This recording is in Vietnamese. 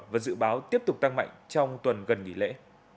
và dự báo tiếp tục tăng mạnh trong tuần gần nghỉ lễ